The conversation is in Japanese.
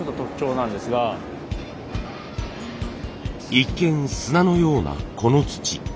一見砂のようなこの土。